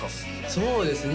そうですね